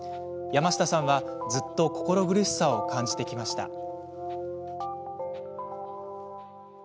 山下さんはずっと心苦しさを感じてきました。